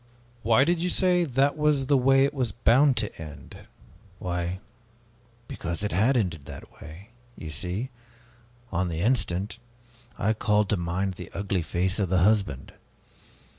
'" "Why did you say, 'That was the way it was bound to end'?" "Why because it had ended that way! You see on the instant, I called to mind the ugly face of the husband.